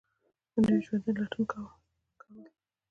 د نویو ژوندونو لټون کول